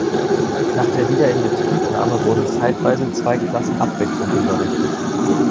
Nach der Wiederinbetriebnahme wurden zeitweise zwei Klassen abwechselnd unterrichtet.